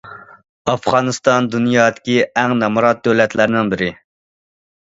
ئافغانىستان دۇنيادىكى ئەڭ نامرات دۆلەتلەرنىڭ بىرى.